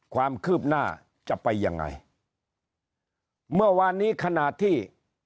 ความคืบหน้าจะไปยังไงเมื่อวานนี้ขณะที่